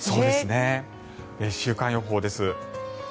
週間予報です。